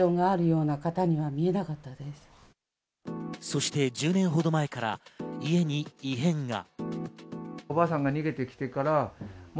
そして１０年ほど前から家に異変が。